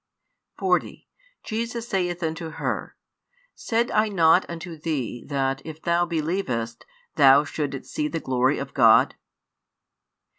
40 Jesus saith unto her, Said I not unto thee, that, if thou believedst, thou shouldest see the glory of God?